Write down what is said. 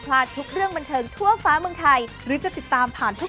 มันเข้ากันไปหมดเลยบ้านนี้